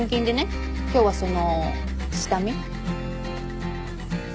今日はその下見。